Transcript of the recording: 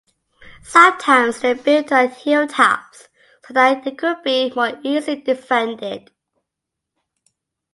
Sometimes, they were built on hilltops so that they could be more easily defended.